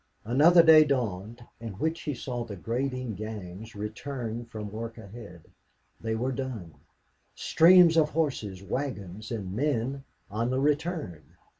Another day dawned in which he saw the grading gangs return from work ahead. They were done. Streams of horses, wagons, and men on the return!